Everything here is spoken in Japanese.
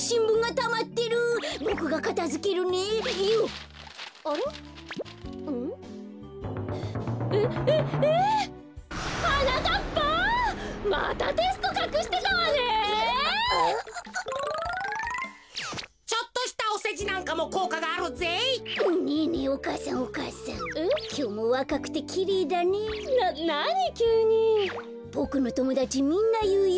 ボクのともだちみんないうよ。